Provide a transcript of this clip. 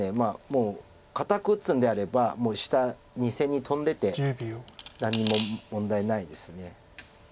もう堅く打つんであれば下２線にトンでて何も問題ないです。